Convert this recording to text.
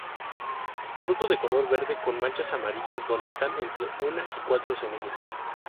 Fruto de color verde, con manchas amarillas donde están entre una y cuatro semillas.